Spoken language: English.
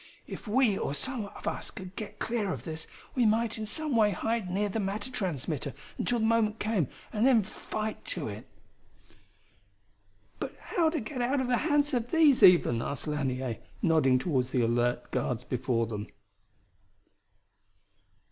"If we or some of us could get clear of this, we might in some way hide near the matter transmitter until the moment came and then fight to it." "But how to get out of the hands of these, even?" asked Lanier, nodding toward the alert guards before them.